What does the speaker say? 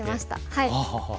はい。